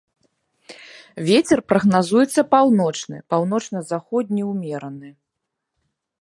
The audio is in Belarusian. Вецер прагназуецца паўночны, паўночна-заходні ўмераны.